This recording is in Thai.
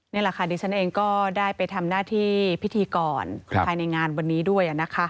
นี่แหละค่ะดิฉันเองก็ได้ไปทำหน้าที่พิธีกรภายในงานวันนี้ด้วย